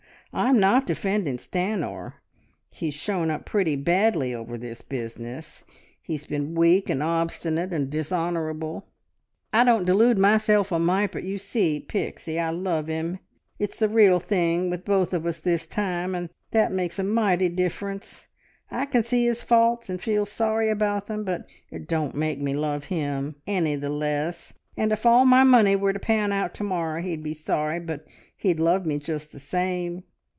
I'm not defending Stanor. He's shown up pretty badly over this business. He's been weak, and obstinate, and dishonourable. I don't delude myself a mite, but, you see, Pixie, I love him! It's the real thing with both of us this time, and that makes a mighty difference. I can see his faults and feel sorry about them, but it don't make me love him any the less; and if all my money were to pan out to morrow he'd be sorry, but he'd love me just the same.